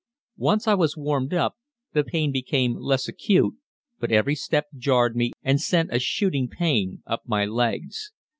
Once I was warmed up, the pain became less acute, but every step jarred me and sent a shooting pain up my legs.